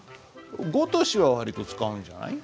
「ごとし」は割と使うんじゃない？